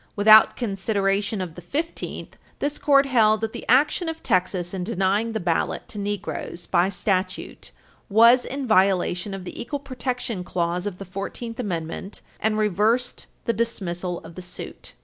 Without consideration of the Fifteenth, this Court held that the action of Texas in denying the ballot to Negroes by statute was in violation of the equal protection clause of the Fourteenth Amendment, and reversed the dismissal of the suit.